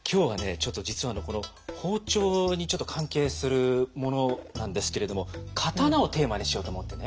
ちょっと実はこの包丁に関係するものなんですけれども刀をテーマにしようと思ってね。